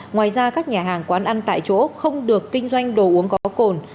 ngoài ra các nhà hàng quán ăn tại chỗ không được kinh doanh đồ uống có cồn